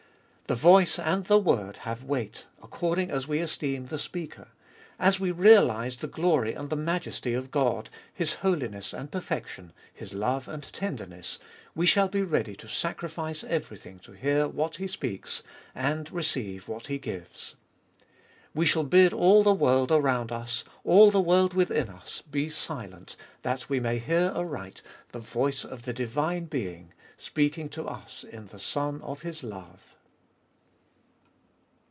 The voice and the word have weight according as we esteem the speaker. As we realise the glory and the majesty of God, His holiness and perfection, His love and tenderness, we shall be ready to sacrifice everything to hear what He speaks, and receive what He gives. We shall bid all the world around us, all the world within us, be silent that we may hear aright the voice of the divine Being speaking to us in the Son of His love.